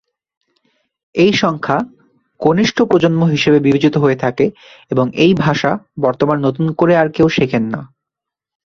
এই সংখ্যা কনিষ্ঠ প্রজন্ম হিসেবে বিবেচিত হয়ে থাকে এবং এই ভাষা বর্তমানে নতুন করে কেউ আর শেখেন না।